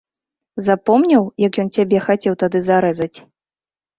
Запомніў, як ён цябе хацеў тады зарэзаць?